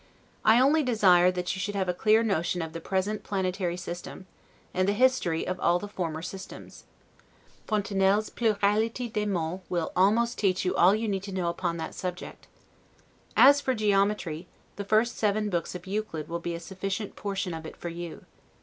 I only desire that you should have a clear notion of the present planetary system, and the history of all the former systems. Fontenelle's 'Pluralites des Mondes' will almost teach you all you need know upon that subject. As for geometry, the seven first books of Euclid will be a sufficient portion of it for you.